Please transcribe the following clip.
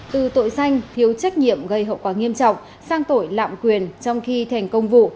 từ tội danh thiếu trách nhiệm gây hậu quả nghiêm trọng sang tội lạm quyền trong khi thành công vụ